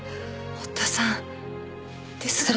堀田さん。ですが。